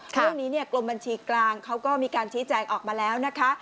เรื่องนี้กรมบัญชีกลางเขาก็มีการชี้แจงออกมาแล้วนะคะ